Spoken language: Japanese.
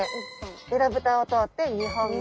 えらぶたを通って２本目。